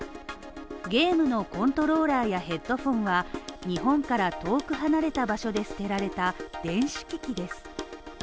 ゲームのコントローラーやヘッドフォンは日本から遠く離れた場所で捨てられた電子機器です。